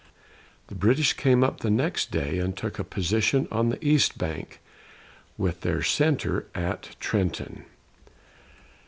The British came up the next day and took a position on the east bank, with their centre at Trenton.